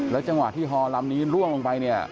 แล้วจังหวะที่ฮอร์ลำนี้ล่วงลงไป